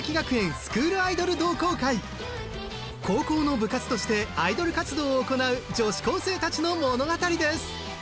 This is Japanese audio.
高校の部活としてアイドル活動を行う女子高生たちの物語です。